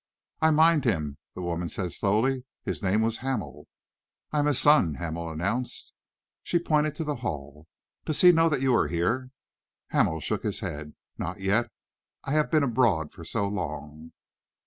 "I mind him," the woman said slowly. "His name was Hamel." "I am his son," Hamel announced. She pointed to the Hall. "Does he know that you are here?" Hamel shook his head. "Not yet. I have been abroad for so long."